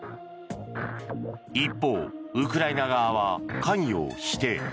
一方、ウクライナ側は関与を否定。